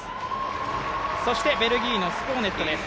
そしてベルギーのスコウネットです。